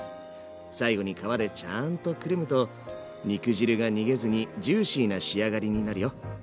最後に皮でちゃんとくるむと肉汁が逃げずにジューシーな仕上がりになるよ。